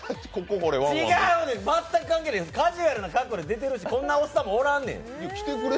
違うで、全く関係ない、カジュアルな格好で出てるしこんなおっさんもおらんねん！